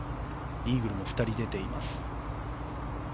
イーグルも２人出ています。